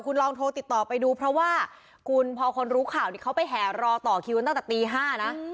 คุณลองโทรติดต่อไปดูเพราะว่าคุณพอคนรู้ข่าวนี่เขาไปแห่รอต่อคิวกันตั้งแต่ตี๕นะ